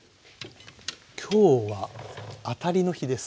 今日は当たりの日です。